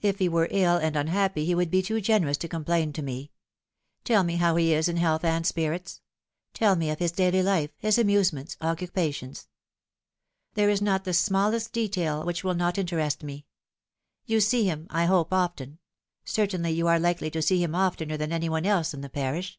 If he were ill and unhappy he would be too generous to complain to me. Tell me how he is in health and spirits. Tell me of his daily life, his amusements, occupations. There is not the smallest detail which will not interest me. You see him, I hope, often ; certainly you are likely to see him oftener than any one else in the parish.